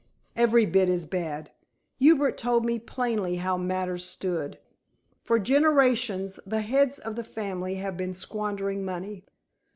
"Every bit as bad. Hubert told me plainly how matters stood. For generations the heads of the family have been squandering money.